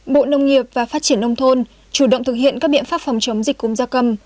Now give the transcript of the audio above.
bộ nông nghiệp và phát triển nông thôn chủ động thực hiện các biện pháp phòng chống dịch cúm gia cầm